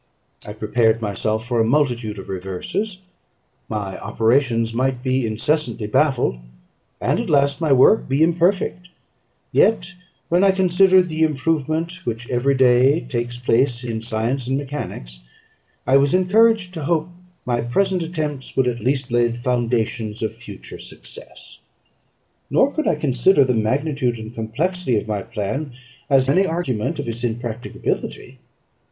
I prepared myself for a multitude of reverses; my operations might be incessantly baffled, and at last my work be imperfect: yet, when I considered the improvement which every day takes place in science and mechanics, I was encouraged to hope my present attempts would at least lay the foundations of future success. Nor could I consider the magnitude and complexity of my plan as any argument of its impracticability.